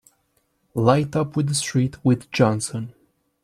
Light up with the street with Johnson!